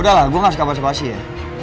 udah lah gue gak suka bahasa basi ya